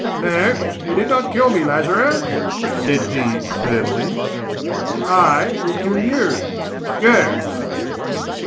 "No, you did not kill me, Lazarus," said he firmly. "But I will kill you. Go!"